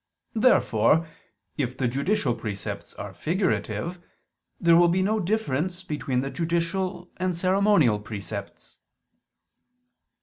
Therefore, if the judicial precepts are figurative, there will be no difference between the judicial and ceremonial precepts.